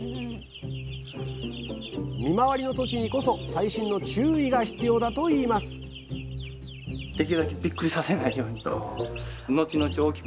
見回りの時にこそ細心の注意が必要だといいますそうですね。